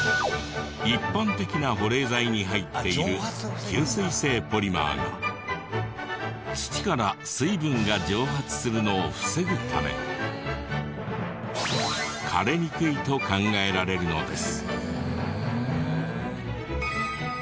一般的な保冷剤に入っている吸水性ポリマーが土から水分が蒸発するのを防ぐため枯れにくいと考えられるのです。